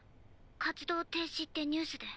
“活動停止”ってニュースで。